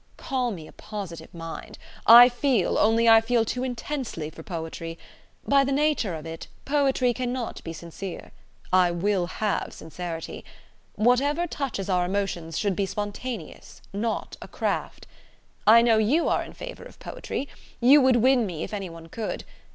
Call me a positive mind. I feel: only I feel too intensely for poetry. By the nature of it, poetry cannot be sincere. I will have sincerity. Whatever touches our emotions should be spontaneous, not a craft. I know you are in favour of poetry. You would win me, if any one could.